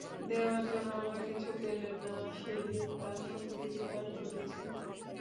দেয়ার জন্য অন্য কিছু পেলেন না, সেদিন তার শক্তির বিকাশ ঘটেছিল।